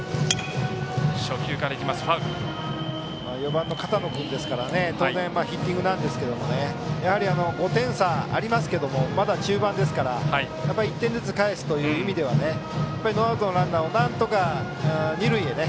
４番の片野君ですから当然、ヒッティングなんですが５点差がありますがまだ中盤ですから１点ずつ返すという意味ではノーアウトのランナーをなんとか二塁へね。